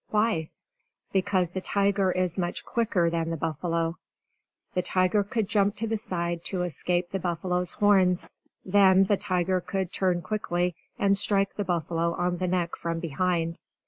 Why? Because the tiger is much quicker than the buffalo. The tiger could jump to the side to escape the buffalo's horns. Then the tiger could turn quickly, and strike the buffalo on the neck from behind.